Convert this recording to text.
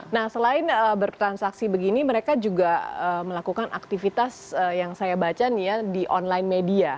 nah selain bertransaksi begini mereka juga melakukan aktivitas yang saya baca nih ya di online media